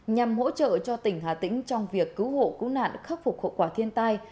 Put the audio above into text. nhằm hỗ trợ cho tỉnh hà tĩnh trong việc cứu hộ cứu nạn khắc phục hậu quả thiên tai